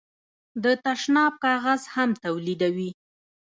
د تشناب کاغذ هم تولیدوي.